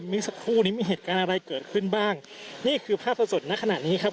เมื่อสักครู่นี้มีเหตุการณ์อะไรเกิดขึ้นบ้างนี่คือภาพสดสดณขณะนี้ครับ